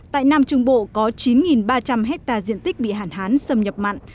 tại nam trung bộ có chín ba trăm linh hectare diện tích bị hạn hán xâm nhập mặn